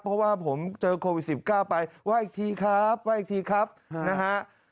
เพราะว่าผมเจอโควิด๑๙ไปไหว้อีกทีครับว่าอีกทีครับนะฮะ